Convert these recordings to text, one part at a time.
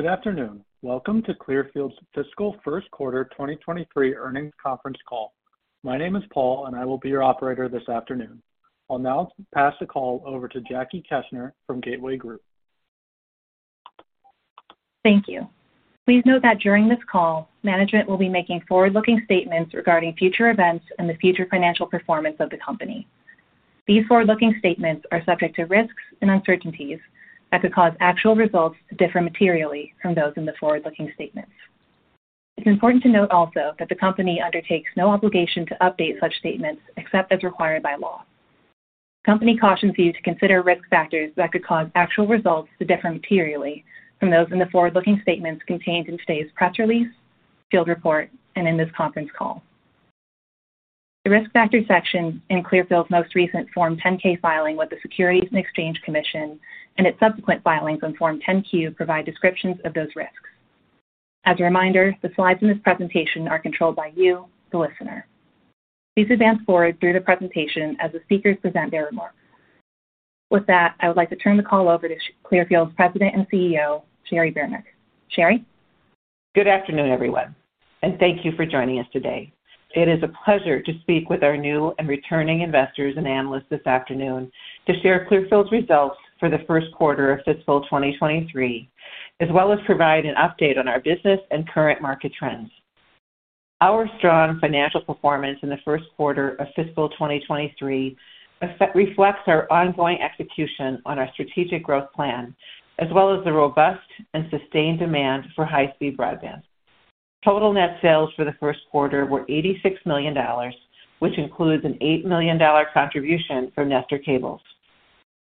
Good afternoon. Welcome to Clearfield's Fiscal First Quarter 2023 Earnings Conference Call. My name is Paul. I will be your operator this afternoon. I'll now pass the call over to Jackie Keshner from Gateway Group. Thank you. Please note that during this call, management will be making forward-looking statements regarding future events and the future financial performance of the company. These forward-looking statements are subject to risks and uncertainties that could cause actual results to differ materially from those in the forward-looking statements. It is important to note also that the company undertakes no obligation to update such statements except as required by law. The company cautions you to consider risk factors that could cause actual results to differ materially from those in the forward-looking statements contained in today's press release, field report, and in this conference call. The Risk Factors section in Clearfield's most recent Form 10-K filing with the Securities and Exchange Commission and its subsequent filings on Form 10-Q provide descriptions of those risks. As a reminder, the slides in this presentation are controlled by you, the listener. Please advance forward through the presentation as the speakers present their remarks. With that, I would like to turn the call over to Clearfield's President and CEO, Cheri Beranek. Cheri? Good afternoon, everyone, and thank you for joining us today. It is a pleasure to speak with our new and returning investors and analysts this afternoon to share Clearfield's results for the first quarter of fiscal 2023, as well as provide an update on our business and current market trends. Our strong financial performance in the first quarter of fiscal 2023 reflects our ongoing execution on our strategic growth plan, as well as the robust and sustained demand for high-speed broadband. Total net sales for the first quarter were $86 million, which includes an $8 million contribution from Nestor Cables.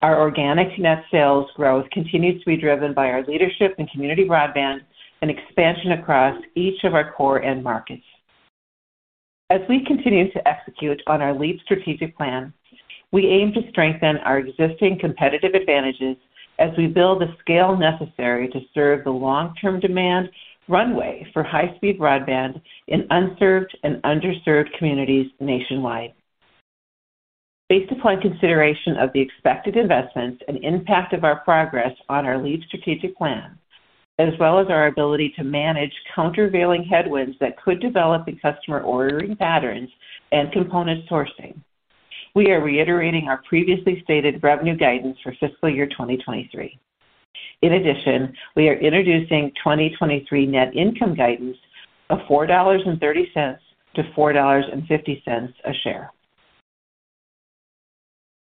Our organic net sales growth continues to be driven by our leadership in community broadband and expansion across each of our core end markets. As we continue to execute on our LEAP strategic plan, we aim to strengthen our existing competitive advantages as we build the scale necessary to serve the long-term demand runway for high-speed broadband in unserved and underserved communities nationwide. Based upon consideration of the expected investments and impact of our progress on our LEAP strategic plan, as well as our ability to manage countervailing headwinds that could develop in customer ordering patterns and component sourcing, we are reiterating our previously stated revenue guidance for fiscal year 2023. In addition, we are introducing 2023 net income guidance of $4.30-$4.50 a share.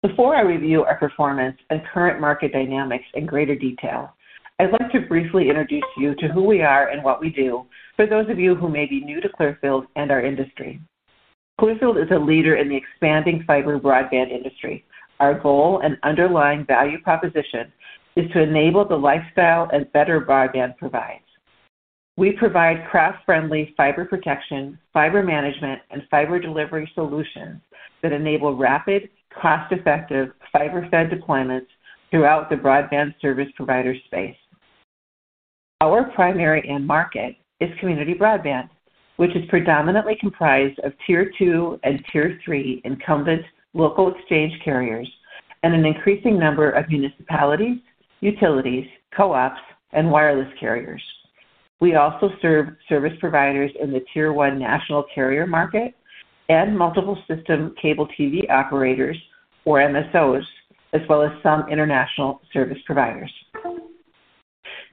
Before I review our performance and current market dynamics in greater detail, I'd like to briefly introduce you to who we are and what we do for those of you who may be new to Clearfield and our industry. Clearfield is a leader in the expanding fiber broadband industry. Our goal and underlying value proposition is to enable the lifestyle and better broadband provides. We provide craft-friendly fiber protection, fiber management, and fiber delivery solutions that enable rapid, cost-effective, fiber-fed deployments throughout the broadband service provider space. Our primary end market is community broadband, which is predominantly comprised of tier two and tier three incumbents, local exchange carriers, and an increasing number of municipalities, utilities, co-ops, and wireless carriers. We also serve service providers in the tier one national carrier market and multiple system cable TV operators, or MSOs, as well as some international service providers.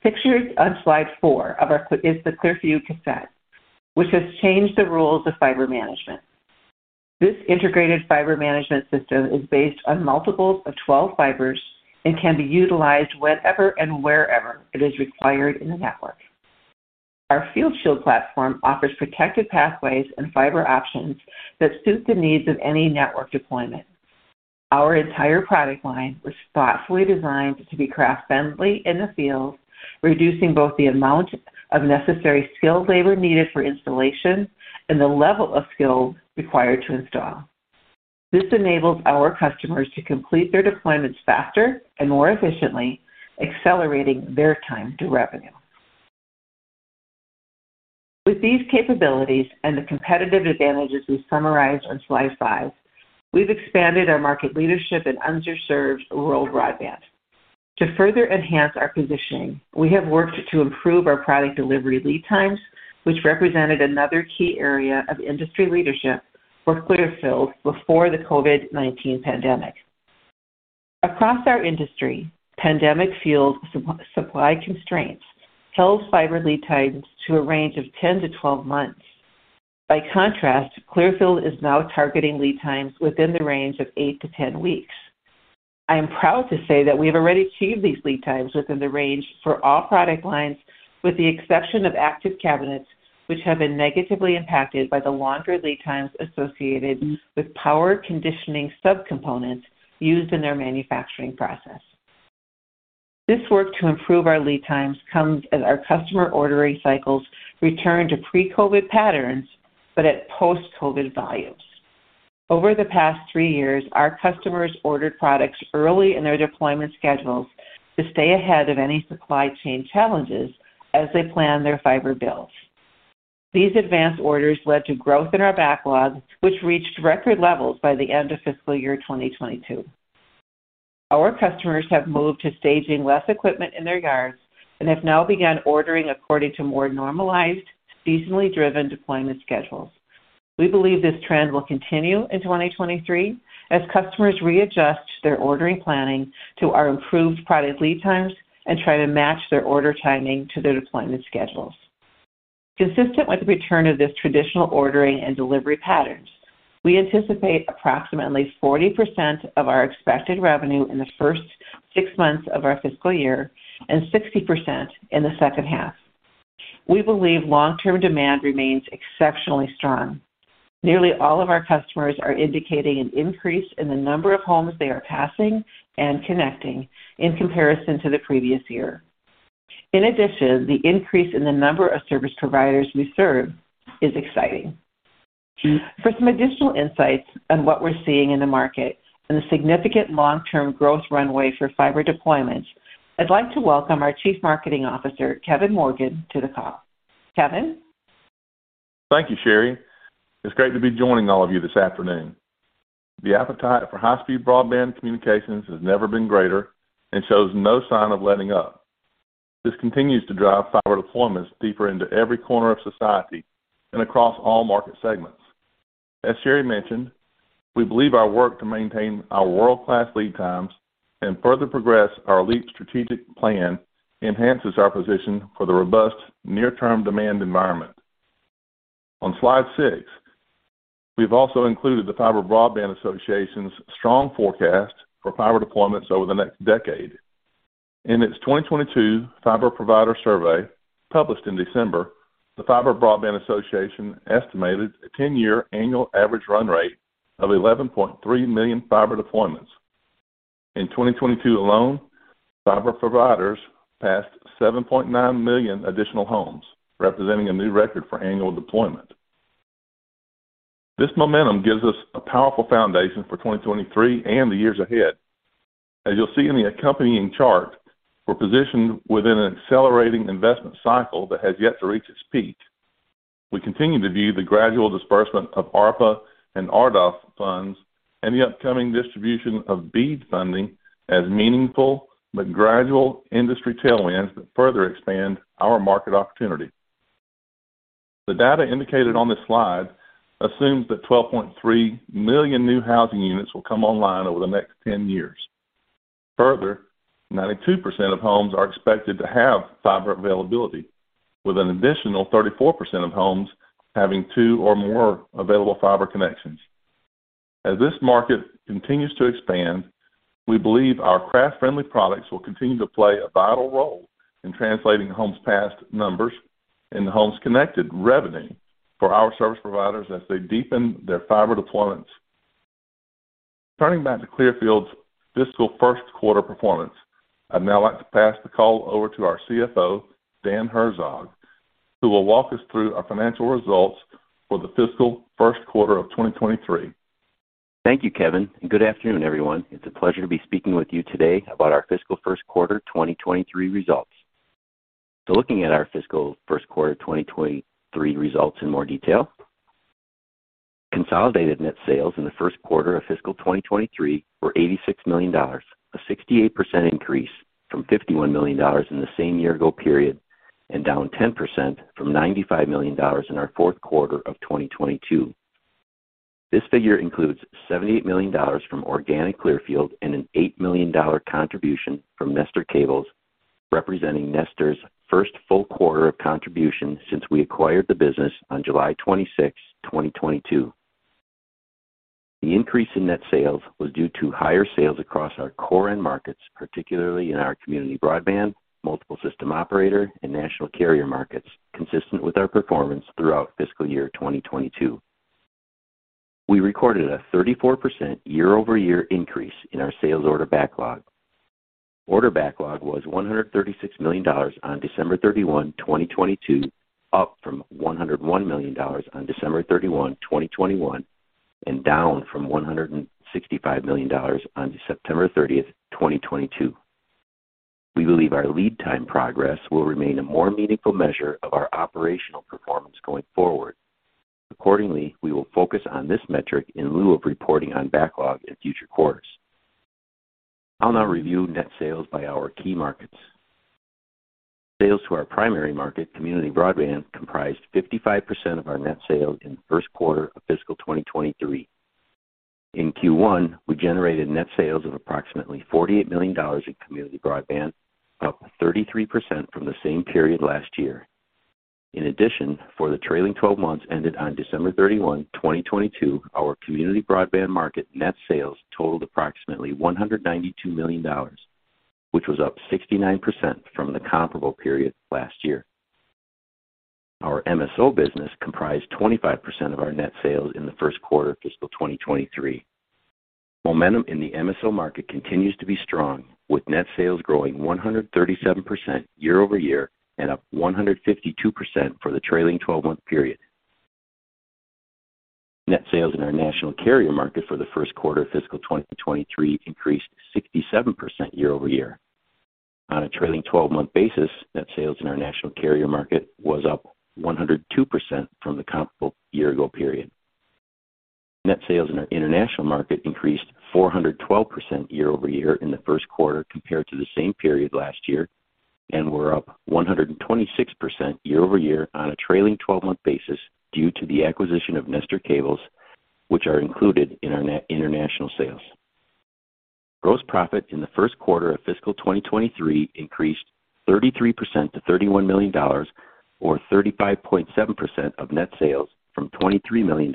Pictured on slide 4 of our q-- is the ClearView Cassette, which has changed the rules of fiber management. This integrated fiber management system is based on multiples of 12 fibers and can be utilized whenever and wherever it is required in the network. Our FieldShield platform offers protected pathways and fiber options that suit the needs of any network deployment. Our entire product line was thoughtfully designed to be craft friendly in the field, reducing both the amount of necessary skilled labor needed for installation and the level of skill required to install. This enables our customers to complete their deployments faster and more efficiently, accelerating their time to revenue. With these capabilities and the competitive advantages we summarize on slide 5, we've expanded our market leadership in underserved rural broadband. To further enhance our positioning, we have worked to improve our product delivery lead times, which represented another key area of industry leadership for Clearfield before the COVID-19 pandemic. Across our industry, pandemic-fueled supply constraints held fiber lead times to a range of 10-12 months. By contrast, Clearfield is now targeting lead times within the range of 8-10 weeks. I am proud to say that we have already achieved these lead times within the range for all product lines with the exception of Active Cabinets, which have been negatively impacted by the longer lead times associated with power conditioning subcomponents used in their manufacturing process. This work to improve our lead times comes as our customer ordering cycles return to pre-COVID patterns but at post-COVID volumes. Over the past three years, our customers ordered products early in their deployment schedules to stay ahead of any supply chain challenges as they plan their fiber builds. These advanced orders led to growth in our backlog, which reached record levels by the end of fiscal year 2022. Our customers have moved to staging less equipment in their yards and have now began ordering according to more normalized, seasonally driven deployment schedules. We believe this trend will continue in 2023 as customers readjust their ordering planning to our improved product lead times and try to match their order timing to their deployment schedules. Consistent with the return of this traditional ordering and delivery patterns, we anticipate approximately 40% of our expected revenue in the first six months of our fiscal year and 60% in the second half. We believe long-term demand remains exceptionally strong. Nearly all of our customers are indicating an increase in the number of homes they are passing and connecting in comparison to the previous year. In addition, the increase in the number of service providers we serve is exciting. For some additional insights on what we're seeing in the market and the significant long-term growth runway for fiber deployments, I'd like to welcome our Chief Marketing Officer, Kevin Morgan, to the call. Kevin? Thank you, Cheri. It's great to be joining all of you this afternoon. The appetite for high-speed broadband communications has never been greater and shows no sign of letting up. This continues to drive fiber deployments deeper into every corner of society and across all market segments. As Cheri mentioned, we believe our work to maintain our world-class lead times and further progress our LEAP strategic plan enhances our position for the robust near-term demand environment. On slide 6, we've also included the Fiber Broadband Association's strong forecast for fiber deployments over the next decade. In its 2022 Fiber Provider Survey, published in December, the Fiber Broadband Association estimated a 10-year annual average run rate of 11.3 million fiber deployments. In 2022 alone, fiber providers passed 7.9 million additional homes, representing a new record for annual deployment. This momentum gives us a powerful foundation for 2023 and the years ahead. As you'll see in the accompanying chart, we're positioned within an accelerating investment cycle that has yet to reach its peak. We continue to view the gradual disbursement of ARPA and RDOF funds and the upcoming distribution of BEAD funding as meaningful but gradual industry tailwinds that further expand our market opportunity. The data indicated on this slide assumes that 12.3 million new housing units will come online over the next 10 years. Further, 92% of homes are expected to have fiber availability, with an additional 34% of homes having two or more available fiber connections. As this market continues to expand, we believe our craft-friendly products will continue to play a vital role in translating homes passed numbers and the homes connected revenue for our service providers as they deepen their fiber deployments. Turning back to Clearfield's fiscal first quarter performance, I'd now like to pass the call over to our CFO, Dan Herzog, who will walk us through our financial results for the fiscal first quarter of 2023. Thank you, Kevin. Good afternoon, everyone. It's a pleasure to be speaking with you today about our fiscal first quarter 2023 results. Looking at our fiscal first quarter 2023 results in more detail. Consolidated net sales in the first quarter of fiscal 2023 were $86 million, a 68% increase from $51 million in the same year ago period, and down 10% from $95 million in our fourth quarter of 2022. This figure includes $78 million from organic Clearfield and an $8 million contribution from Nestor Cables, representing Nestor's first full quarter of contribution since we acquired the business on July 26, 2022. The increase in net sales was due to higher sales across our core end markets, particularly in our community broadband, multiple system operator, and national carrier markets, consistent with our performance throughout fiscal year 2022. We recorded a 34% year-over-year increase in our sales order backlog. Order backlog was $136 million on December 31, 2022, up from $101 million on December 31, 2021, and down from $165 million on September 30, 2022. We believe our lead time progress will remain a more meaningful measure of our operational performance going forward. Accordingly, we will focus on this metric in lieu of reporting on backlog in future quarters. I'll now review net sales by our key markets. Sales to our primary market, community broadband, comprised 55% of our net sales in the first quarter of fiscal 2023. In Q1, we generated net sales of approximately $48 million in community broadband, up 33% from the same period last year. In addition, for the trailing 12 months ended on December 31, 2022, our community broadband market net sales totaled approximately $192 million, which was up 69% from the comparable period last year. Our MSO business comprised 25% of our net sales in the first quarter of fiscal 2023. Momentum in the MSO market continues to be strong, with net sales growing 137% year-over-year and up 152% for the trailing 12-month period. Net sales in our national carrier market for the first quarter of fiscal 2023 increased 67% year-over-year. On a trailing twelve-month basis, net sales in our national carrier market was up 102% from the comparable year-ago period. Net sales in our international market increased 412% year-over-year in the first quarter compared to the same period last year, and were up 126% year-over-year on a trailing twelve-month basis due to the acquisition of Nestor Cables, which are included in our net international sales. Gross profit in the first quarter of fiscal 2023 increased 33% to $31 million, or 35.7% of net sales from $23 million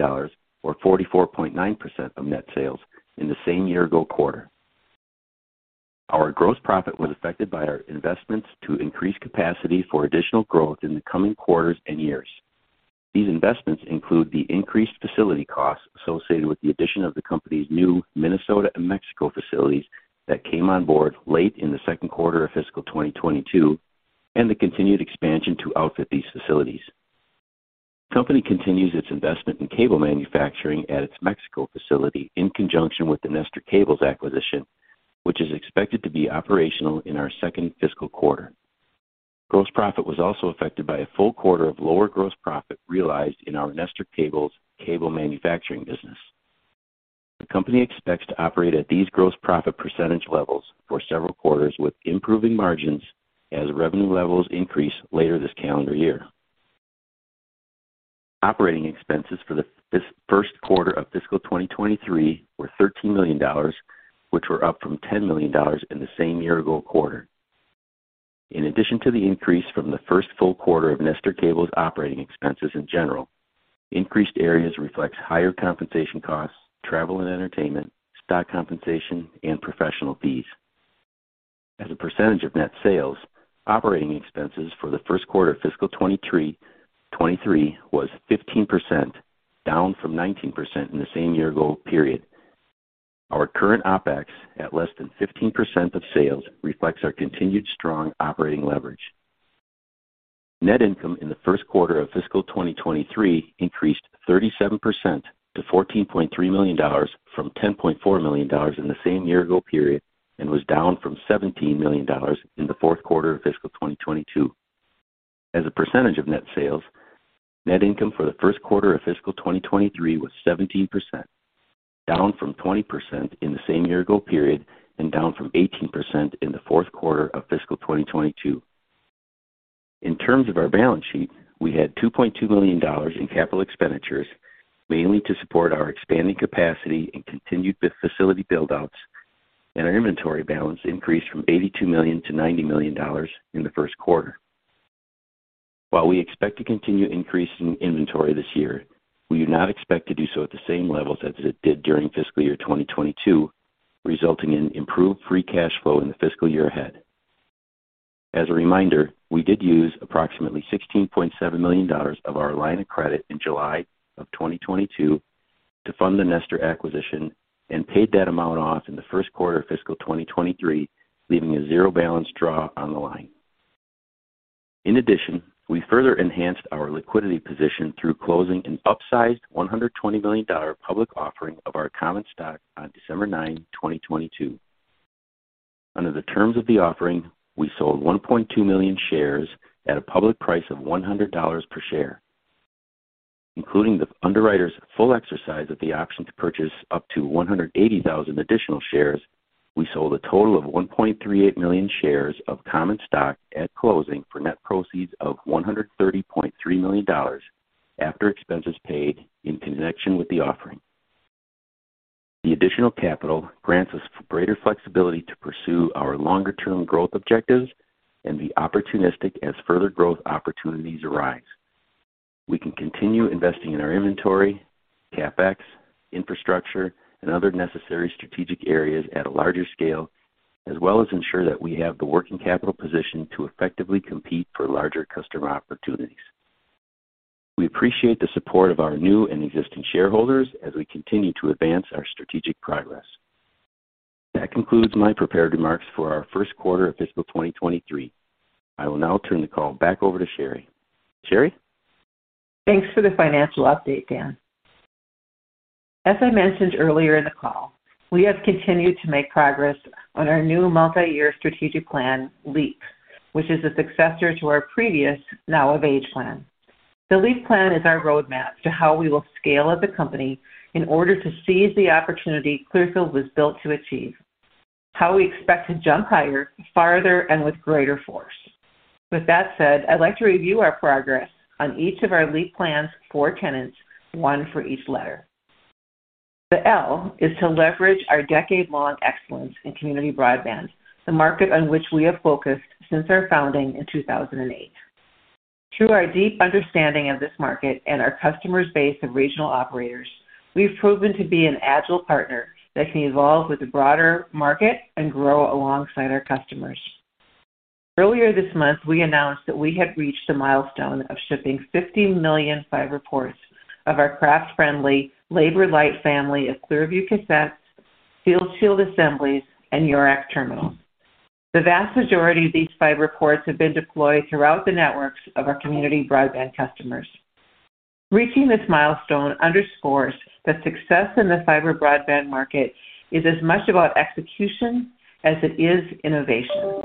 or 44.9% of net sales in the same year-ago quarter. Our gross profit was affected by our investments to increase capacity for additional growth in the coming quarters and years. These investments include the increased facility costs associated with the addition of the company's new Minnesota and Mexico facilities that came on board late in the 2nd quarter of fiscal 2022, and the continued expansion to outfit these facilities. Company continues its investment in cable manufacturing at its Mexico facility in conjunction with the Nestor Cables acquisition, which is expected to be operational in our 2nd fiscal quarter. Gross profit was also affected by a full quarter of lower gross profit realized in our Nestor Cables cable manufacturing business. The company expects to operate at these gross profit percentage levels for several quarters with improving margins as revenue levels increase later this calendar year. Operating expenses for the first quarter of fiscal 2023 were $13 million, which were up from $10 million in the same year ago quarter. In addition to the increase from the first full quarter of Nestor Cables operating expenses in general, increased areas reflect higher compensation costs, travel and entertainment, stock compensation, and professional fees. As a percentage of net sales, operating expenses for the first quarter of fiscal 2023 was 15%, down from 19% in the same year ago period. Our current OpEx, at less than 15% of sales, reflects our continued strong operating leverage. Net income in the first quarter of fiscal 2023 increased 37% to $14.3 million from $10.4 million in the same year ago period, and was down from $17 million in the fourth quarter of fiscal 2022. As a percentage of net sales, net income for the first quarter of fiscal 2023 was 17%, down from 20% in the same year-ago period and down from 18% in the fourth quarter of fiscal 2022. In terms of our balance sheet, we had $2.2 million in capital expenditures, mainly to support our expanding capacity and continued facility build-outs, and our inventory balance increased from $82 million to $90 million in the first quarter. While we expect to continue increasing inventory this year, we do not expect to do so at the same levels as it did during fiscal year 2022, resulting in improved free cash flow in the fiscal year ahead. As a reminder, we did use approximately $16.7 million of our line of credit in July of 2022 to fund the Nestor acquisition and paid that amount off in the first quarter of fiscal 2023, leaving a 0 balance draw on the line. In addition, we further enhanced our liquidity position through closing an upsized $120 million public offering of our common stock on December 9, 2022. Under the terms of the offering, we sold 1.2 million shares at a public price of $100 per share. Including the underwriter's full exercise of the option to purchase up to 180,000 additional shares, we sold a total of 1.38 million shares of common stock at closing for net proceeds of $130.3 million after expenses paid in connection with the offering. The additional capital grants us greater flexibility to pursue our longer term growth objectives and be opportunistic as further growth opportunities arise. We can continue investing in our inventory, CapEx, infrastructure, and other necessary strategic areas at a larger scale, as well as ensure that we have the working capital position to effectively compete for larger customer opportunities. We appreciate the support of our new and existing shareholders as we continue to advance our strategic progress. That concludes my prepared remarks for our first quarter of fiscal 2023. I will now turn the call back over to Cheri. Cheri? Thanks for the financial update, Dan. As I mentioned earlier in the call, we have continued to make progress on our new multi-year strategic plan, LEAP, which is a successor to our previous Now of Age plan. The LEAP plan is our roadmap to how we will scale as a company in order to seize the opportunity Clearfield was built to achieve, how we expect to jump higher, farther, and with greater force. With that said, I'd like to review our progress on each of our LEAP plan's four tenets, one for each letter. The L is to leverage our decade-long excellence in community broadband, the market on which we have focused since our founding in 2008. Through our deep understanding of this market and our customers' base of regional operators, we've proven to be an agile partner that can evolve with the broader market and grow alongside our customers. Earlier this month, we announced that we had reached a milestone of shipping 50 million fiber ports of our craft-friendly, labor-light family of Clearview Cassettes, FieldShield assemblies, and YOURx-Terminal. The vast majority of these fiber ports have been deployed throughout the networks of our community broadband customers. Reaching this milestone underscores the success in the fiber broadband market is as much about execution as it is innovation.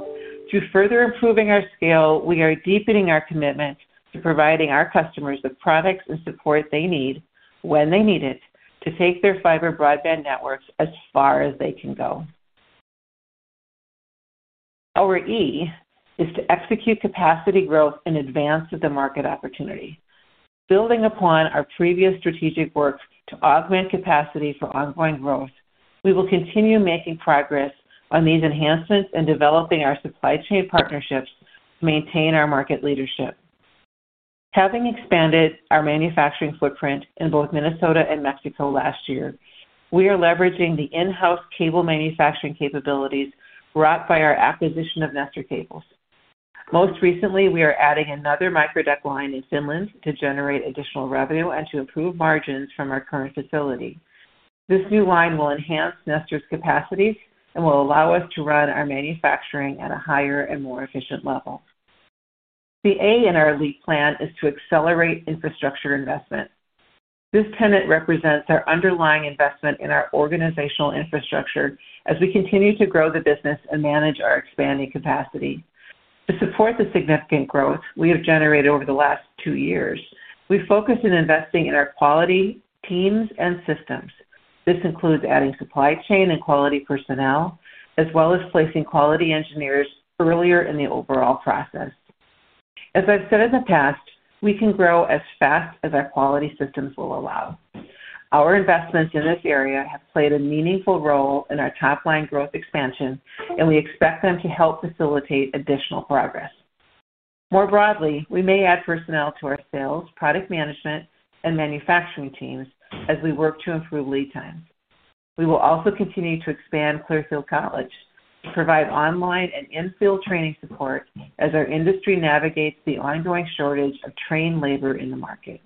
To further improving our scale, we are deepening our commitment to providing our customers the products and support they need, when they need it, to take their fiber broadband networks as far as they can go. Our E is to execute capacity growth in advance of the market opportunity. Building upon our previous strategic work to augment capacity for ongoing growth, we will continue making progress on these enhancements and developing our supply chain partnerships to maintain our market leadership. Having expanded our manufacturing footprint in both Minnesota and Mexico last year, we are leveraging the in-house cable manufacturing capabilities brought by our acquisition of Nestor Cables. Most recently, we are adding another Microduct line in Finland to generate additional revenue and to improve margins from our current facility. This new line will enhance Nestor's capacity and will allow us to run our manufacturing at a higher and more efficient level. The A in our LEAP plan is to accelerate infrastructure investment. This tenet represents our underlying investment in our organizational infrastructure as we continue to grow the business and manage our expanding capacity. To support the significant growth we have generated over the last 2 years, we focused on investing in our quality, teams, and systems. This includes adding supply chain and quality personnel, as well as placing quality engineers earlier in the overall process. As I've said in the past, we can grow as fast as our quality systems will allow. Our investments in this area have played a meaningful role in our top line growth expansion, and we expect them to help facilitate additional progress. More broadly, we may add personnel to our sales, product management, and manufacturing teams as we work to improve lead times. We will also continue to expand Clearfield College to provide online and in-field training support as our industry navigates the ongoing shortage of trained labor in the market.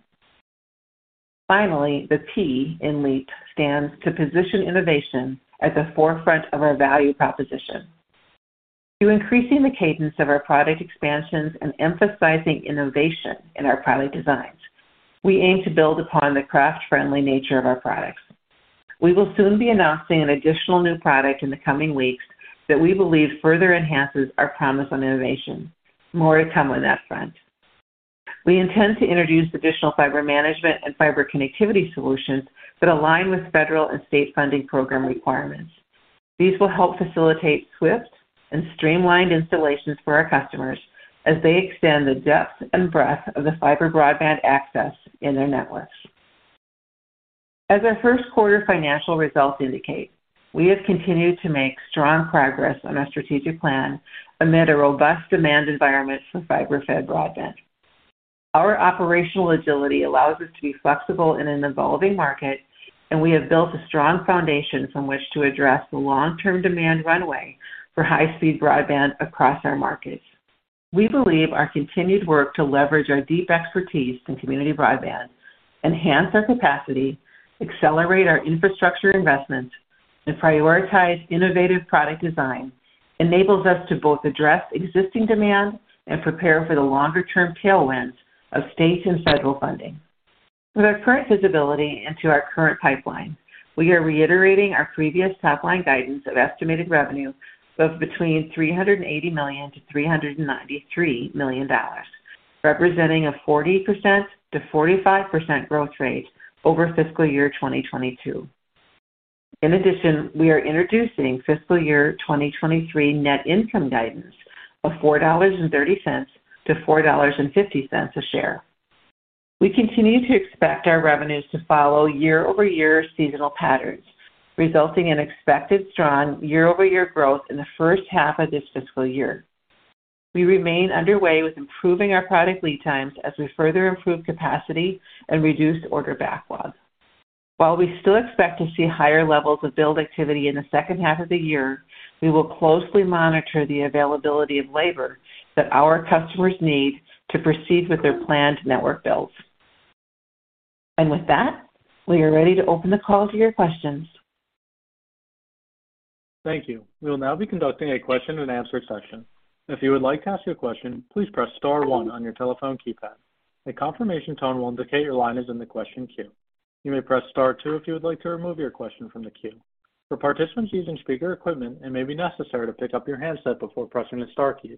Finally, the P in LEAP stands to position innovation at the forefront of our value proposition. To increasing the cadence of our product expansions and emphasizing innovation in our product designs, we aim to build upon the craft-friendly nature of our products. We will soon be announcing an additional new product in the coming weeks that we believe further enhances our promise on innovation. More to come on that front. We intend to introduce additional fiber management and fiber connectivity solutions that align with federal and state funding program requirements. These will help facilitate swift and streamlined installations for our customers as they extend the depth and breadth of the fiber broadband access in their networks. As our first quarter financial results indicate, we have continued to make strong progress on our strategic plan amid a robust demand environment for fiber-fed broadband. Our operational agility allows us to be flexible in an evolving market, and we have built a strong foundation from which to address the long-term demand runway for high-speed broadband across our markets. We believe our continued work to leverage our deep expertise in community broadband, enhance our capacity, accelerate our infrastructure investments, and prioritize innovative product design enables us to both address existing demand and prepare for the longer-term tailwinds of state and federal funding. With our current visibility into our current pipeline, we are reiterating our previous top line guidance of estimated revenue of between $380 million-$393 million, representing a 40%-45% growth rate over fiscal year 2022. In addition, we are introducing fiscal year 2023 net income guidance of $4.30-$4.50 a share. We continue to expect our revenues to follow year-over-year seasonal patterns, resulting in expected strong year-over-year growth in the first half of this fiscal year. We remain underway with improving our product lead times as we further improve capacity and reduce order backlog. While we still expect to see higher levels of build activity in the second half of the year, we will closely monitor the availability of labor that our customers need to proceed with their planned network builds. With that, we are ready to open the call to your questions. Thank you. We will now be conducting a question and answer section. If you would like to ask a question, please press star one on your telephone keypad. A confirmation tone will indicate your line is in the question queue. You may press Star two if you would like to remove your question from the queue. For participants using speaker equipment, it may be necessary to pick up your handset before pressing the star keys.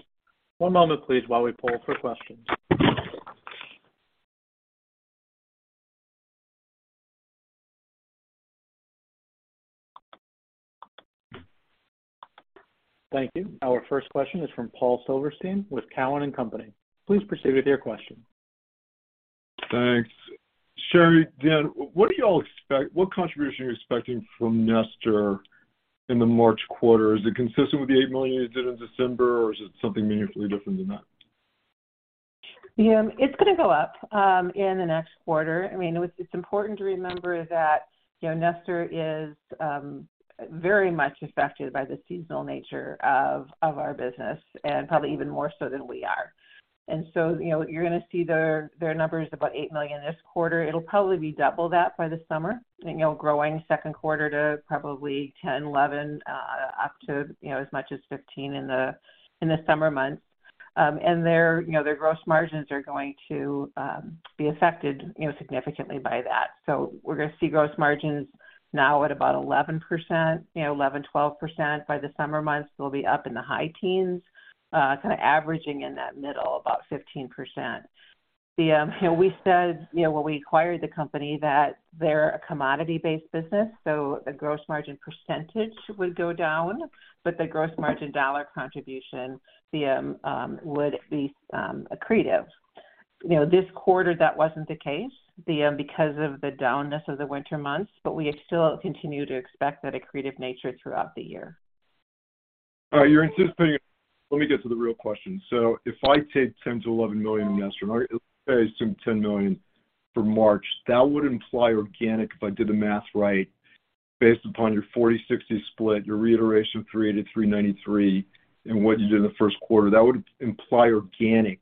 One moment please while we pull for questions. Thank you. Our first question is from Paul Silverstein with Cowen and Company. Please proceed with your question. Thanks. Sherry, Dan, what do y'all expect? What contribution are you expecting from Nestor in the March quarter? Is it consistent with the $8 million you did in December, or is it something meaningfully different than that? Yeah, it's gonna go up in the next quarter. I mean, it's important to remember that, you know, Nestor is very much affected by the seasonal nature of our business, and probably even more so than we are. You know, you're gonna see their numbers about $8 million this quarter. It'll probably be double that by the summer. You know, growing second quarter to probably $10 million, $11 million, up to, you know, as much as $15 million in the summer months. Their, you know, their gross margins are going to be affected, you know, significantly by that. So we're gonna see gross margins now at about 11%, you know, 11%-12%. By the summer months, we'll be up in the high teens, kinda averaging in that middle, about 15%. We said, you know, when we acquired the company that they're a commodity-based business, so the gross margin % would go down, but the gross margin dollar contribution would be accretive. You know, this quarter, that wasn't the case, because of the down-ness of the winter months, but we still continue to expect that accretive nature throughout the year. All right. You're insisting... Let me get to the real question. If I take $10 million-$11 million in Nestor, let's say it's $10 million for March, that would imply organic, if I did the math right, based upon your 40/60 split, your reiteration of $383.93, and what you did in the first quarter, that would imply organic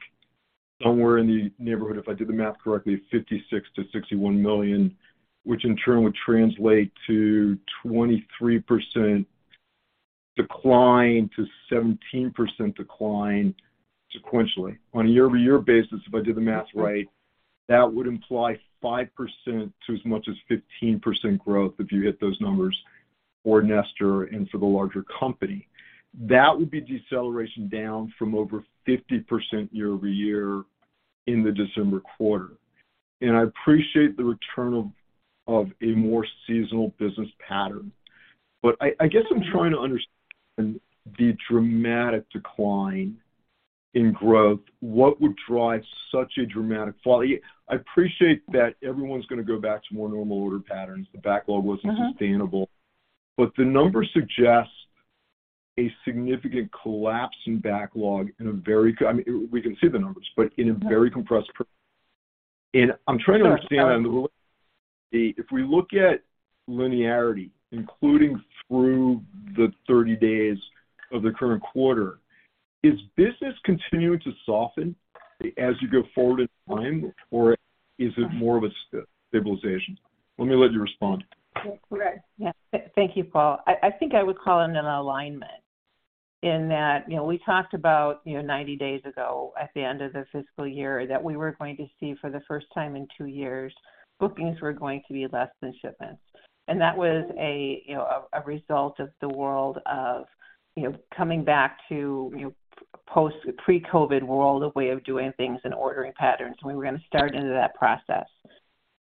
somewhere in the neighborhood, if I did the math correctly, of $56 million-$61 million, which in turn would translate to 23% decline to 17% decline sequentially. On a year-over-year basis, if I did the math right, that would imply 5% to as much as 15% growth if you hit those numbers for Nestor and for the larger company. That would be deceleration down from over 50% year-over-year in the December quarter. I appreciate the return of a more seasonal business pattern. I guess I'm trying to understand the dramatic decline in growth. What would drive such a dramatic fall? I appreciate that everyone's gonna go back to more normal order patterns. The backlog wasn't sustainable. Mm-hmm. The numbers suggest a significant collapse in backlog in a very... I mean, we can see the numbers, but in a very compressed per... I'm trying to understand if we look at linearity, including through the 30 days of the current quarter, is business continuing to soften as you go forward in time, or is it more of a stabilization? Let me let you respond. Okay. Yeah. Thank you, Paul. I think I would call it an alignment in that, you know, we talked about, you know, 90 days ago at the end of the fiscal year that we were going to see for the first time in two years, bookings were going to be less than shipments. That was a, you know, a result of the world of, you know, coming back to, you know, pre-COVID world of way of doing things and ordering patterns. We were gonna start into that process.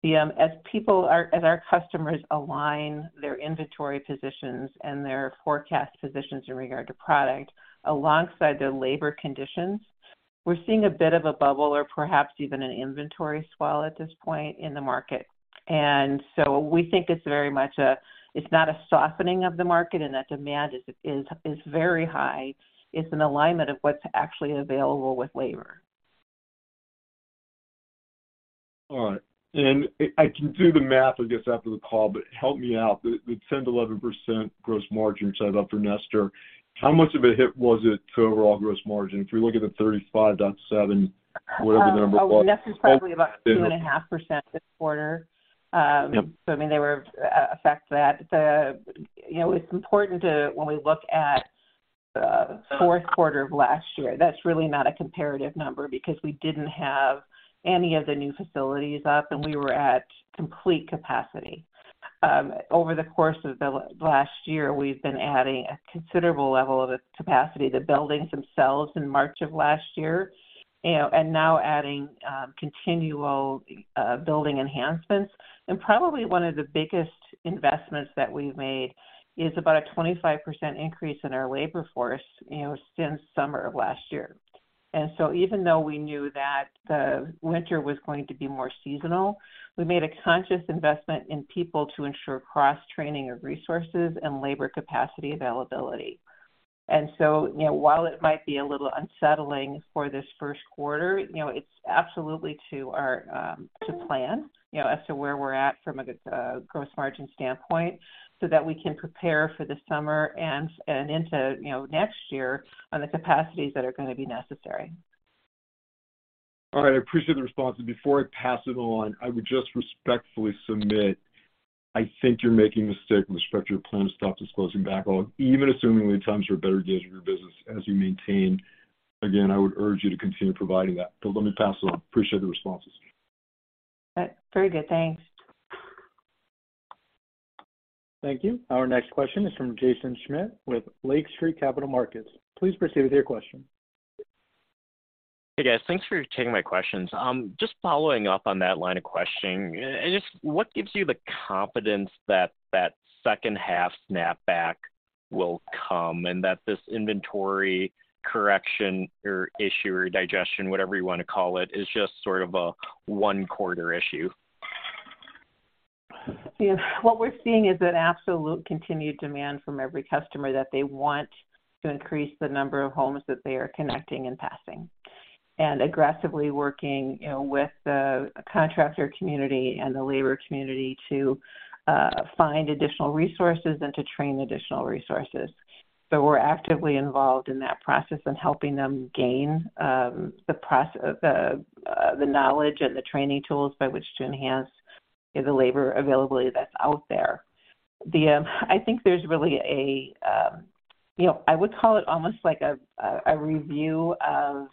As our customers align their inventory positions and their forecast positions in regard to product alongside the labor conditions, we're seeing a bit of a bubble or perhaps even an inventory swell at this point in the market. We think it's very much it's not a softening of the market, and that demand is very high. It's an alignment of what's actually available with labor. All right. I can do the math, I guess, after the call. Help me out. The, the 10%-11% gross margin you talked about for Nestor, how much of a hit was it to overall gross margin? If we look at the 35.7%, whatever the number was. Nestor's probably about 2.5% this quarter. I mean, they were, you know, it's important when we look at the fourth quarter of last year, that's really not a comparative number because we didn't have any of the new facilities up, and we were at complete capacity. Over the course of the last year, we've been adding a considerable level of capacity to buildings themselves in March of last year, you know, and now adding continual building enhancements. Probably one of the biggest investments that we've made is about a 25% increase in our labor force, you know, since summer of last year. Even though we knew that the winter was going to be more seasonal, we made a conscious investment in people to ensure cross-training of resources and labor capacity availability. You know, while it might be a little unsettling for this first quarter, you know, it's absolutely to our to plan, you know, as to where we're at from a gross margin standpoint so that we can prepare for the summer and into, you know, next year on the capacities that are gonna be necessary. All right. I appreciate the responses. Before I pass it on, I would just respectfully submit, I think you're making a mistake with respect to your plan to stop disclosing backlog, even assuming the times are better days of your business as you maintain. Again, I would urge you to continue providing that. Let me pass it on. Appreciate the responses. Very good. Thanks. Thank you. Our next question is from Jaeson Schmidt with Lake Street Capital Markets. Please proceed with your question. Hey, guys. Thanks for taking my questions. Just following up on that line of questioning. What gives you the confidence that that second half snapback will come and that this inventory correction or issue or digestion, whatever you wanna call it, is just sort of a one-quarter issue? Yeah. What we're seeing is an absolute continued demand from every customer that they want to increase the number of homes that they are connecting and passing, and aggressively working, you know, with the contractor community and the labor community to find additional resources and to train additional resources. We're actively involved in that process and helping them gain the knowledge and the training tools by which to enhance the labor availability that's out there. The I think there's really a, you know, I would call it almost like a review of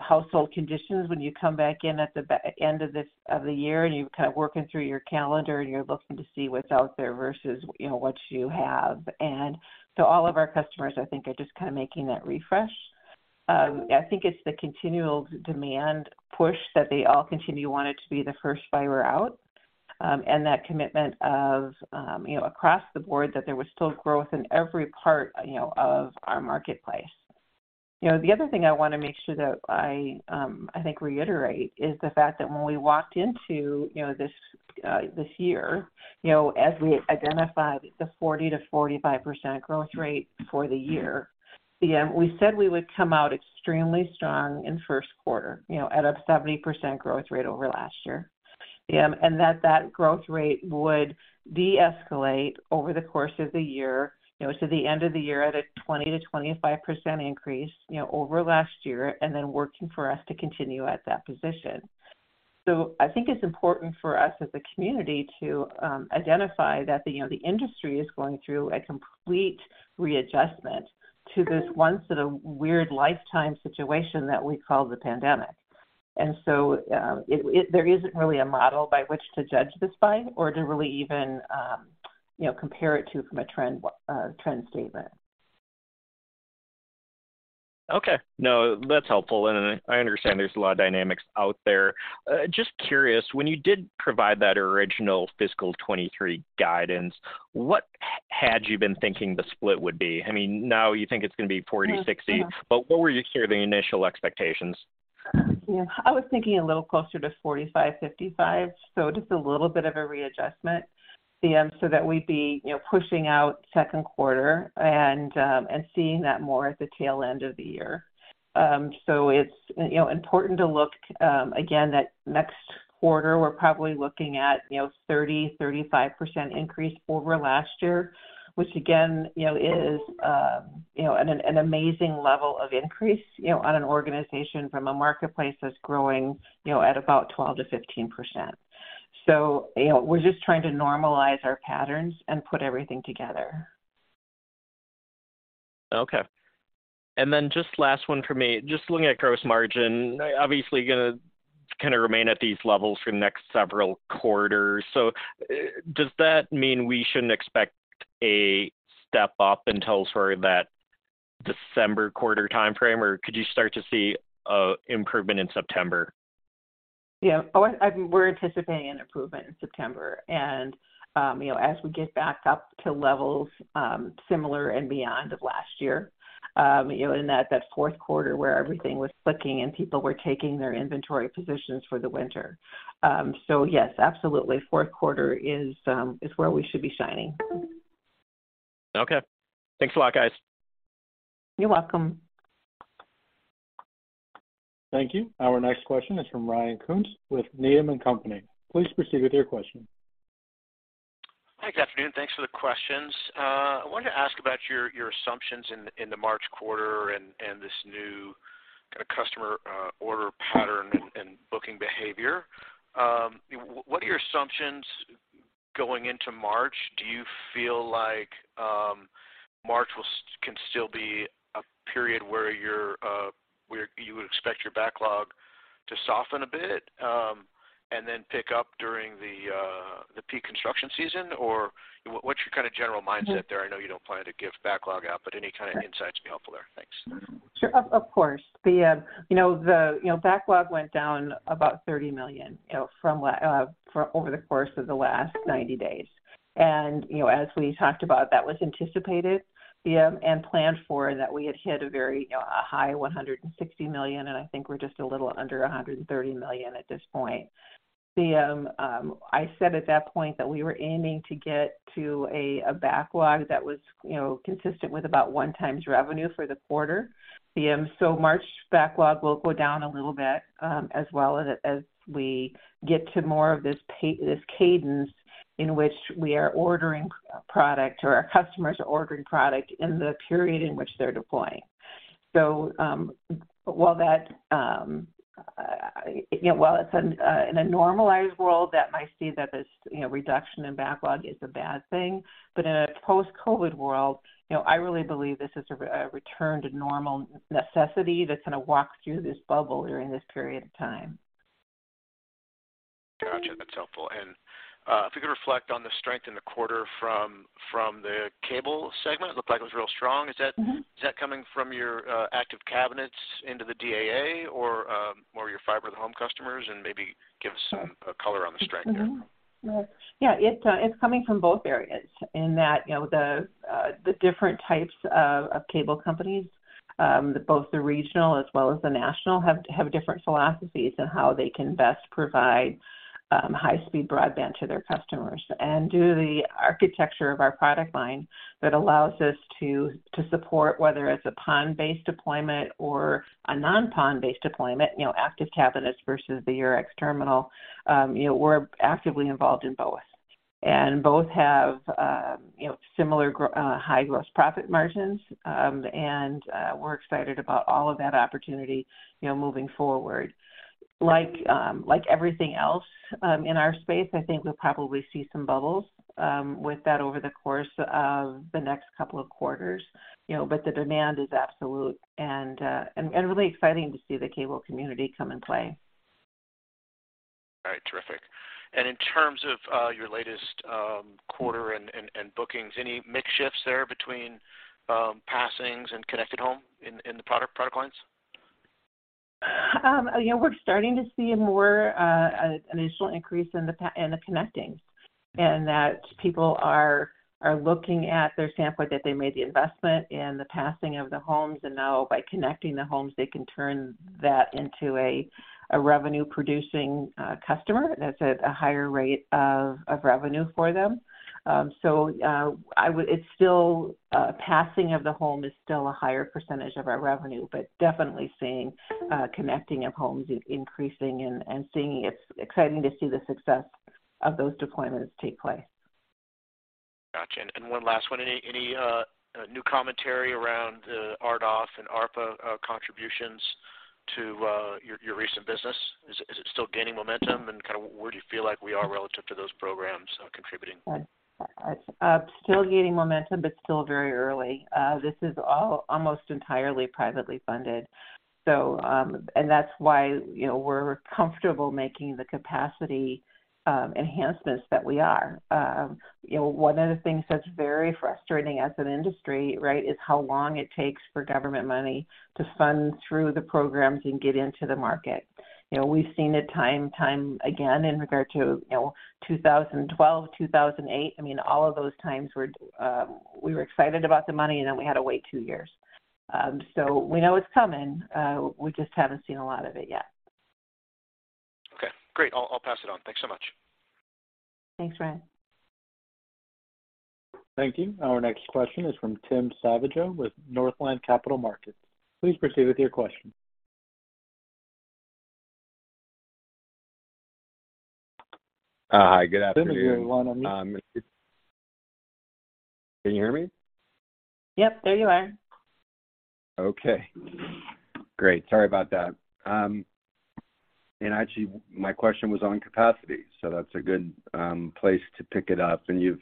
household conditions when you come back in at the end of this, of the year, and you're kind of working through your calendar, and you're looking to see what's out there versus, you know, what you have. All of our customers, I think, are just kind of making that refresh. I think it's the continual demand push that they all continue wanting to be the first fiber out, and that commitment of, you know, across the board that there was still growth in every part, you know, of our marketplace. You know, the other thing I want to make sure that I think reiterate is the fact that when we walked into, you know, this year, you know, as we identified the 40%-45% growth rate for the year, We said we would come out extremely strong in first quarter, you know, at a 70% growth rate over last year. That that growth rate would deescalate over the course of the year, you know, so the end of the year at a 20%-25% increase, you know, over last year, and then working for us to continue at that position. I think it's important for us as a community to identify that the, you know, the industry is going through a complete readjustment to this once in a weird lifetime situation that we call the pandemic. There isn't really a model by which to judge this by or to really even, you know, compare it to from a trend statement. Okay. No, that's helpful, and I understand there's a lot of dynamics out there. Just curious, when you did provide that original fiscal 2023 guidance, what had you been thinking the split would be? I mean, now you think it's gonna be 40, 60. Mm-hmm. What were your kind of initial expectations? Yeah. I was thinking a little closer to 45%-55%, so just a little bit of a readjustment. That we'd be, you know, pushing out second quarter and seeing that more at the tail end of the year. It's, you know, important to look again that next quarter we're probably looking at, you know, 30%-35% increase over last year, which again, you know, is, you know, an amazing level of increase, you know, on an organization from a marketplace that's growing, you know, at about 12%-15%. You know, we're just trying to normalize our patterns and put everything together. Okay. Just last one from me. Just looking at gross margin, obviously you're gonna kind of remain at these levels for the next several quarters. Does that mean we shouldn't expect a step up until sort of that December quarter timeframe, or could you start to see an improvement in September? Yeah. We're anticipating an improvement in September and, you know, as we get back up to levels, similar and beyond of last year, you know, in that fourth quarter where everything was clicking, and people were taking their inventory positions for the winter. Yes, absolutely, fourth quarter is where we should be shining. Okay. Thanks a lot, guys. You're welcome. Thank you. Our next question is from Ryan Koontz with Needham & Company. Please proceed with your question. Thanks. Afternoon. Thanks for the questions. I wanted to ask about your assumptions in the March quarter and this new kind of customer, order pattern and booking behavior. What are your assumptions going into March? Do you feel like March can still be a period where your where you would expect your backlog to soften a bit, and then pick up during the peak construction season, or what's your kind of general mindset there? Mm-hmm. I know you don't plan to give backlog out, but any kind of insights would be helpful there. Thanks. Sure. Of course. The, you know, the, you know, backlog went down about $30 million, you know, from over the course of the last 90 days. You know, as we talked about, that was anticipated, the, and planned for, that we had hit a very, you know, a high $160 million, and I think we're just a little under $130 million at this point. I said at that point that we were aiming to get to a backlog that was, you know, consistent with about 1 times revenue for the quarter. March backlog will go down a little bit as well as we get to more of this cadence in which we are ordering product, or our customers are ordering product in the period in which they're deploying. While that, you know, while it's in a normalized world that might see that this, you know, reduction in backlog is a bad thing, but in a post-COVID world, you know, I really believe this is a return to normal necessity that's gonna walk through this bubble during this period of time. Gotcha. That's helpful. If you could reflect on the strength in the quarter from the cable segment. It looked like it was real strong. Mm-hmm. Is that coming from your Active Cabinets into the DAA or more of your fiber to home customers, and maybe give us some color on the strength there? Yeah. It's coming from both areas in that, you know, the different types of cable companies, both the regional as well as the national, have different philosophies in how they can best provide high speed broadband to their customers. Due to the architecture of our product line that allows us to support, whether it's a PON-based deployment or a non-PON-based deployment, you know, Active Cabinets versus the YOURx-Terminal, you know, we're actively involved in both. Both have, you know, similar high gross profit margins. We're excited about all of that opportunity, you know, moving forward. Like, like everything else, in our space, I think we'll probably see some bubbles, with that over the course of the next couple of quarters, you know. The demand is absolute and, and really exciting to see the cable community come and play. All right. Terrific. In terms of your latest quarter and bookings, any mix shifts there between passings and connected home in the product lines? you know, we're starting to see more, an initial increase in the connecting. That people are looking at their standpoint that they made the investment in the passing of the homes, and now by connecting the homes, they can turn that into a revenue-producing customer that's at a higher rate of revenue for them. It's still, passing of the home is still a higher percentage of our revenue, but definitely seeing connecting of homes increasing and seeing it's exciting to see the success of those deployments take place. Gotcha. One last one. Any new commentary around RDOF and ARPA contributions to your recent business? Is it still gaining momentum? Kinda where do you feel like we are relative to those programs contributing? Still gaining momentum, but still very early. This is all almost entirely privately funded. That's why, you know, we're comfortable making the capacity enhancements that we are. You know, one of the things that's very frustrating as an industry, right, is how long it takes for government money to fund through the programs and get into the market. You know, we've seen it time and time again in regard to, you know, 2012, 2008. I mean, all of those times were, we were excited about the money, and then we had to wait 2 years. We know it's coming. We just haven't seen a lot of it yet. Okay, great. I'll pass it on. Thanks so much. Thanks, Ryan. Thank you. Our next question is from Tim Savageaux with Northland Capital Markets. Please proceed with your question. Hi. Good afternoon. Tim, you're one on mute. Can you hear me? Yep, there you are. Okay. Great. Sorry about that. Actually my question was on capacity, so that's a good place to pick it up. You've,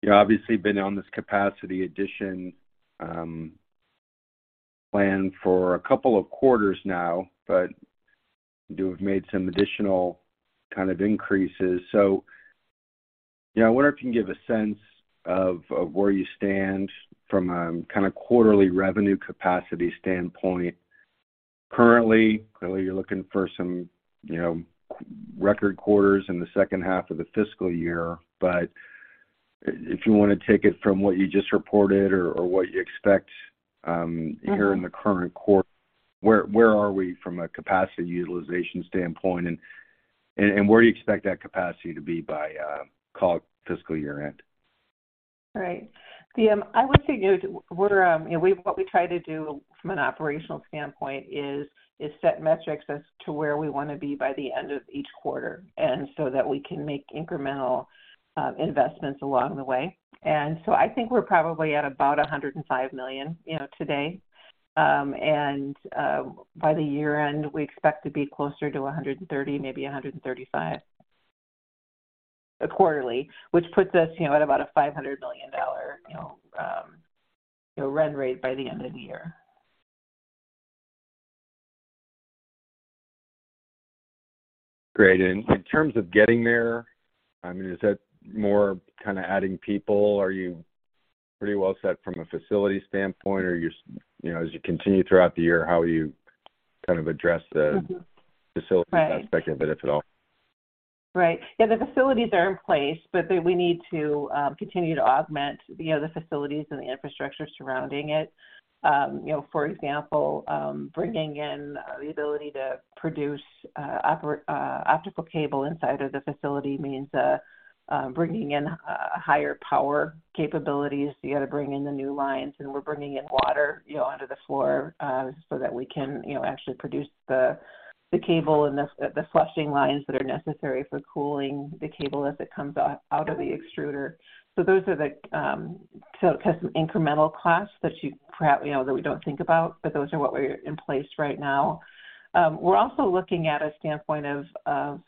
you've obviously been on this capacity addition plan for a couple of quarters now, but you have made some additional kind of increases. You know, I wonder if you can give a sense of where you stand from a kind of quarterly revenue capacity standpoint. Currently, clearly you're looking for some, you know, record quarters in the second half of the fiscal year. If you want to take it from what you just reported or what you expect. Mm-hmm. here in the current quarter, where are we from a capacity utilization standpoint? Where do you expect that capacity to be by, call it fiscal year-end? Right. The, I would say, you know, we're, you know, what we try to do from an operational standpoint is set metrics as to where we wanna be by the end of each quarter, and so that we can make incremental investments along the way. I think we're probably at about $105 million, you know, today. And by the year-end, we expect to be closer to $130, maybe $135 quarterly, which puts us, you know, at about a $500 million, you know, run rate by the end of the year. Great. In terms of getting there, I mean, is that more kind of adding people? Are you pretty well set from a facility standpoint? You're, you know, as you continue throughout the year, how will you kind of address? Mm-hmm. facilities aspect of it, if at all? Right. Yeah, the facilities are in place, but we need to continue to augment, you know, the facilities and the infrastructure surrounding it. you know, for example, bringing in the ability to produce optical cable inside of the facility means bringing in higher power capabilities. You gotta bring in the new lines. We're bringing in water, you know, under the floor, so that we can, you know, actually produce the cable and the flushing lines that are necessary for cooling the cable as it comes out of the extruder. Those are the. It has some incremental costs that you know, that we don't think about. Those are what we're in place right now. We're also looking at a standpoint of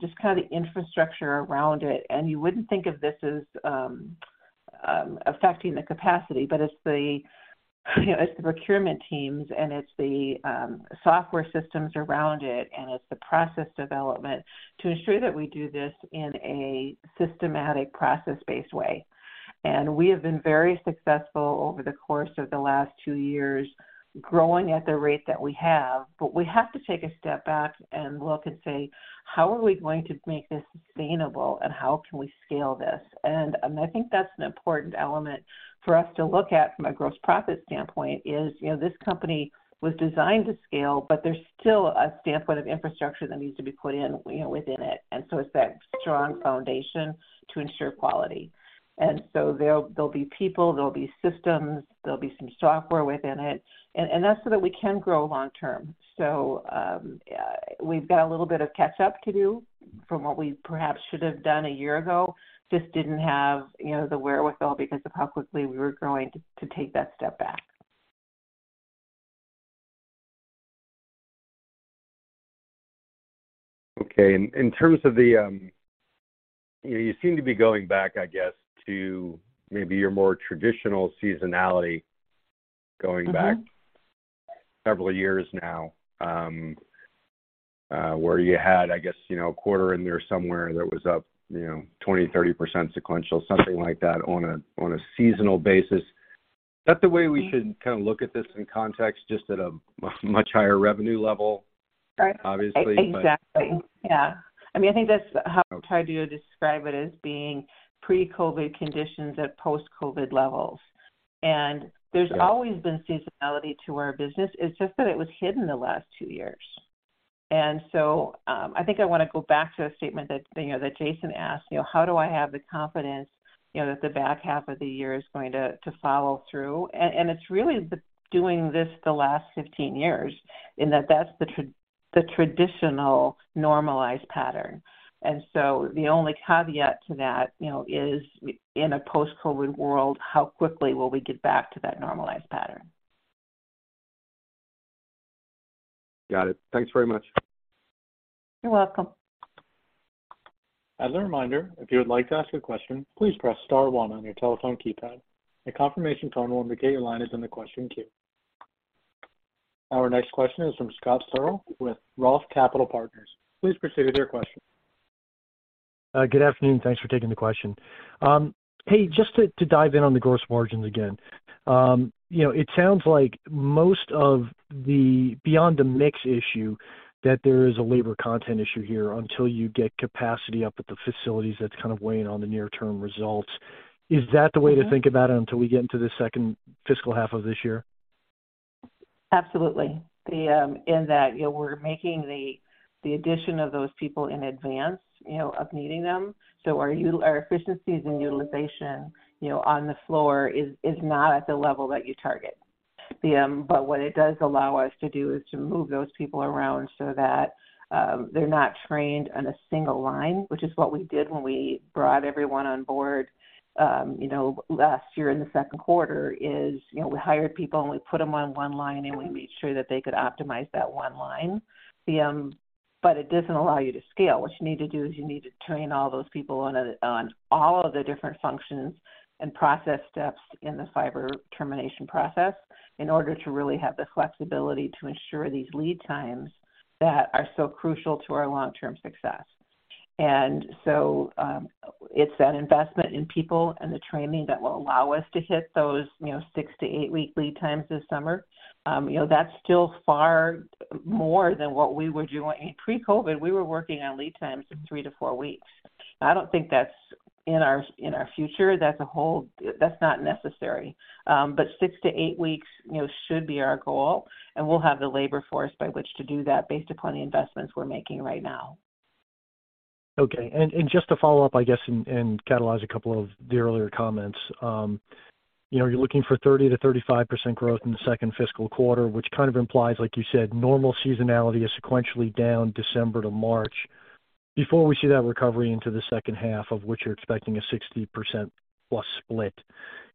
just kind of the infrastructure around it. You wouldn't think of this as affecting the capacity, but it's the, you know, it's the procurement teams and it's the software systems around it, and it's the process development to ensure that we do this in a systematic process-based way. We have been very successful over the course of the last two years growing at the rate that we have. We have to take a step back and look and say, "How are we going to make this sustainable, and how can we scale this?" I think that's an important element for us to look at from a gross profit standpoint is, you know, this company was designed to scale, but there's still a standpoint of infrastructure that needs to be put in, you know, within it. It's that strong foundation to ensure quality. There'll be people, there'll be systems, there'll be some software within it. That's so that we can grow long term. We've got a little bit of catch up to do from what we perhaps should have done a year ago, just didn't have, you know, the wherewithal because of how quickly we were growing to take that step back. Okay. In terms of the, you know, you seem to be going back, I guess, to maybe your more traditional seasonality going back. Mm-hmm several years now, where you had, I guess, you know, a quarter in there somewhere that was up, you know, 20%, 30% sequential, something like that on a seasonal basis. Is that the way we should? Mm-hmm kinda look at this in context just at a much higher revenue level? Right. Obviously. Exactly. Yeah. I mean, I think that's how. Okay ADTRAN describe it as being pre-COVID conditions at post-COVID levels. There's always. Got it. -been seasonality to our business. It's just that it was hidden the last 2 years. I think I wanna go back to a statement that, you know, that Jaeson asked, you know, how do I have the confidence, you know, that the back half of the year is going to follow through? It's really the doing this the last 15 years in that that's the traditional normalized pattern. The only caveat to that, you know, is in a post-COVID-19 world, how quickly will we get back to that normalized pattern? Got it. Thanks very much. You're welcome. As a reminder, if you would like to ask a question, please press star one on your telephone keypad. A confirmation tone will indicate your line is in the question queue. Our next question is from Scott Searle with ROTH Capital Partners. Please proceed with your question. Good afternoon. Thanks for taking the question. Hey, just to dive in on the gross margins again. You know, it sounds like most of the beyond the mix issue, that there is a labor content issue here until you get capacity up at the facilities that's kind of weighing on the near-term results. Is that the way to think about it until we get into the second fiscal half of this year? Absolutely. In that, you know, we're making the addition of those people in advance, you know, of needing them. Our efficiencies and utilization, you know, on the floor is not at the level that you target. What it does allow us to do is to move those people around so that they're not trained on a single line, which is what we did when we brought everyone on board, you know, last year in the second quarter, is, you know, we hired people, and we put them on one line, and we made sure that they could optimize that one line. It doesn't allow you to scale. What you need to do is you need to train all those people on all of the different functions and process steps in the fiber termination process in order to really have the flexibility to ensure these lead times that are so crucial to our long-term success. It's that investment in people and the training that will allow us to hit those, you know, 6 to 8-week lead times this summer. You know, that's still far more than what we were doing. In pre-COVID, we were working on lead times of 3 to 4 weeks. I don't think that's in our, in our future. That's not necessary. 6 to 8 weeks, you know, should be our goal, and we'll have the labor force by which to do that based upon the investments we're making right now. Okay. Just to follow up, I guess, and catalyze a couple of the earlier comments. You know, you're looking for 30%-35% growth in the second fiscal quarter, which kind of implies, like you said, normal seasonality is sequentially down December to March. Before we see that recovery into the second half of which you're expecting a 60%+ split,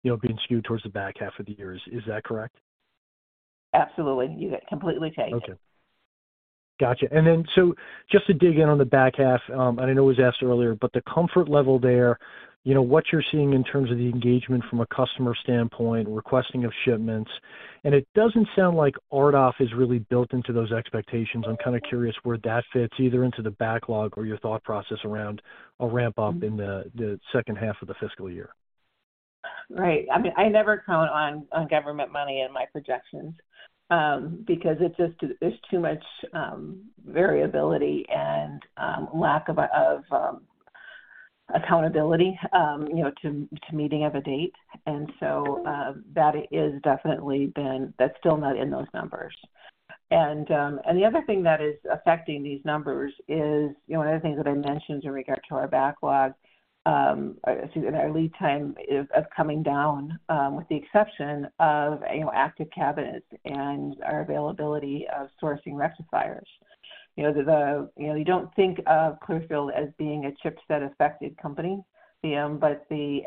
you know, being skewed towards the back half of the year. Is that correct? Absolutely. You completely take. Okay. Gotcha. Just to dig in on the back half, I know it was asked earlier, but the comfort level there, you know, what you're seeing in terms of the engagement from a customer standpoint, requesting of shipments, it doesn't sound like RDOF is really built into those expectations. I'm kind of curious where that fits either into the backlog or your thought process around a ramp up in the second half of the fiscal year. Right. I mean, I never count on government money in my projections, because it's just, it's too much variability and lack of accountability, you know, to meeting of a date. That's still not in those numbers. The other thing that is affecting these numbers is, you know, one of the things that I mentioned in regard to our backlog, excuse me, and our lead time is coming down, with the exception of, you know, Active Cabinets and our availability of sourcing rectifiers. You know, you don't think of Clearfield as being a chipset-affected company, but the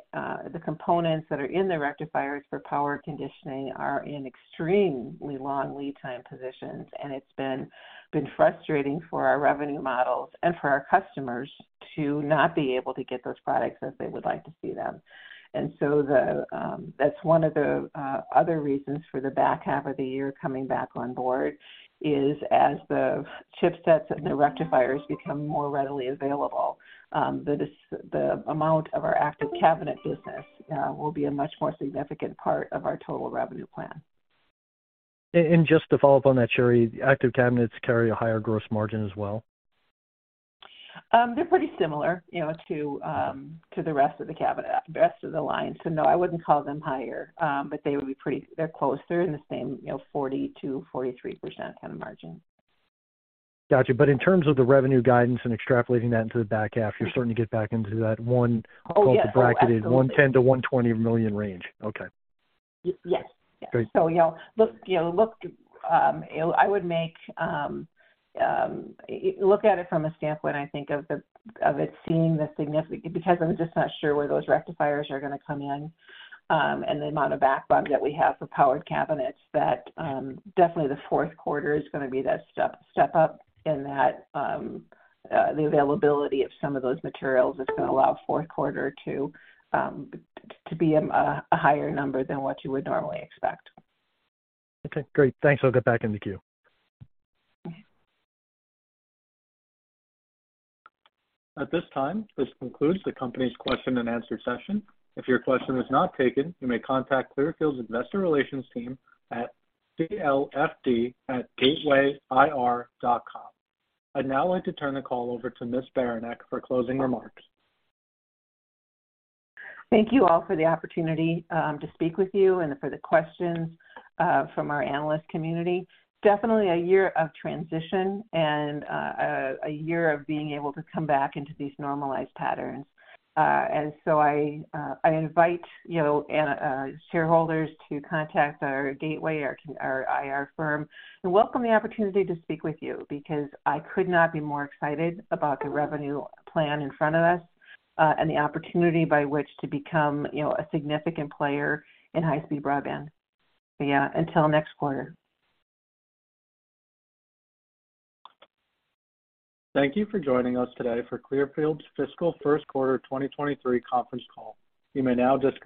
components that are in the rectifiers for power conditioning are in extremely long lead time positions, and it's been frustrating for our revenue models and for our customers to not be able to get those products as they would like to see them. That's one of the other reasons for the back half of the year coming back on board is as the chipsets and the rectifiers become more readily available, the amount of our Active Cabinets business will be a much more significant part of our total revenue plan. just to follow up on that, Sherry, Active Cabinets carry a higher gross margin as well? They're pretty similar, you know, to the rest of the cabinet, rest of the line. No, I wouldn't call them higher, but they're close. They're in the same, you know, 40%-43% kind of margin. Gotcha. In terms of the revenue guidance and extrapolating that into the back half, you're starting to get back into that one- Oh, yes. Oh, absolutely.... bracketed $110 million-$120 million range. Okay. Y-yes. Great. you know, look, you know, look, I would make look at it from a standpoint, I think of the, of it seeing the significant, because I'm just not sure where those rectifiers are gonna come in, and the amount of backlog that we have for powered cabinets that, definitely the Fourth Quarter is gonna be that step up in that, the availability of some of those materials is gonna allow Fourth Quarter to be a higher number than what you would normally expect. Okay, great. Thanks. I'll get back in the queue. Okay. At this time, this concludes the company's question and answer session. If your question was not taken, you may contact Clearfield's investor relations team at clfd@gatewayir.com. I'd now like to turn the call over to Ms. Beranek for closing remarks. Thank you all for the opportunity to speak with you and for the questions from our analyst community. Definitely a year of transition and a year of being able to come back into these normalized patterns. I invite, you know, shareholders to contact our Gateway, our IR firm. We welcome the opportunity to speak with you because I could not be more excited about the revenue plan in front of us and the opportunity by which to become, you know, a significant player in high-speed broadband. Yeah. Until next quarter. Thank you for joining us today for Clearfield's Fiscal First Quarter 2023 conference call. You may now disconnect.